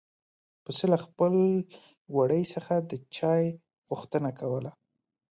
پسه له خپل وړي څخه د چای غوښتنه کوله.